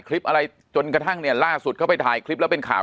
คลิปอะไรจนกระทั่งเนี่ยล่าสุดเขาไปถ่ายคลิปแล้วเป็นข่าว